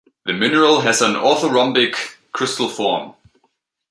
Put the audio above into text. The mineral has an orthorhombic crystal form.